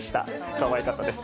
かわいかったです。